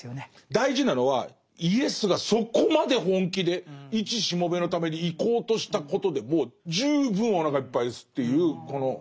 大事なのはイエスがそこまで本気でいちしもべのために行こうとしたことでもう十分おなかいっぱいですっていうこの。